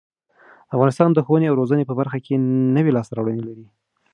افغانستان د ښوونې او روزنې په برخه کې نوې لاسته راوړنې لري.